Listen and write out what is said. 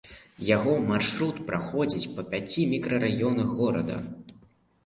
Яго маршрут праходзіць па пяці мікрараёнах горада.